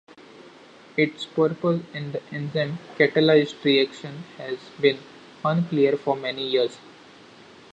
Its purpose in the enzyme catalyzed reaction has been unclear for many years.